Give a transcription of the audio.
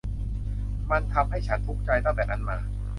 มันทำให้ฉันทุกข์ใจตั้งแต่นั้นมา